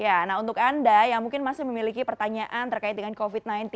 ya nah untuk anda yang mungkin masih memiliki pertanyaan terkait dengan covid sembilan belas